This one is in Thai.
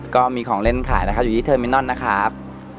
ก็มีของเล่นขายนะครับอยู่ที่เทอร์มินอนนะครับ